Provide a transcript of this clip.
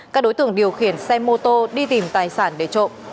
các đối tượng điều khiển xe mô tô đi tìm tài sản để trộm